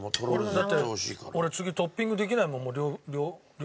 だって俺次トッピングできないもん。